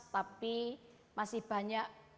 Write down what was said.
tapi masih banyak